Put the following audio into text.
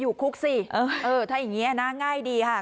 อยู่คุกสิเออถ้าอย่างนี้นะง่ายดีค่ะ